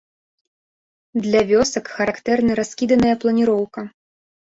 Для вёсак характэрна раскіданая планіроўка.